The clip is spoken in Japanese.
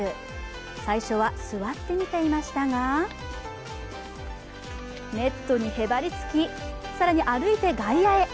最初は座って見ていましたがネットにへばりつき、更に歩いて外野へ。